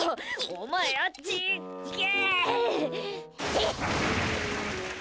お前、あっち、いけ。